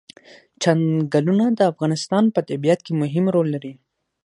چنګلونه د افغانستان په طبیعت کې مهم رول لري.